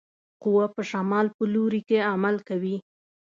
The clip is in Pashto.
قوه په شمال په لوري کې عمل کوي.